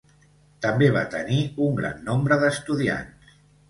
També va tenir un gran nombre d'estudiants.